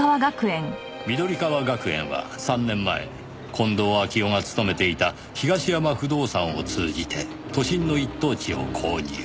緑川学園は３年前近藤秋夫が勤めていた東山不動産を通じて都心の一等地を購入。